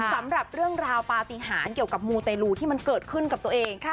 สำหรับเรื่องราวปฏิหารเกี่ยวกับมูเตลูที่มันเกิดขึ้นกับตัวเอง